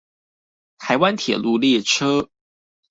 台灣鐵路列車